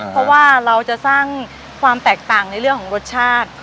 เพราะว่าเราจะสร้างความแตกต่างในเรื่องของรสชาติ